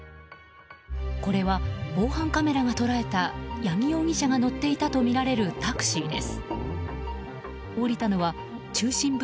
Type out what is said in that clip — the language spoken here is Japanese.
これは防犯カメラが捉えた八木容疑者が乗っていたとみられるタクシーです。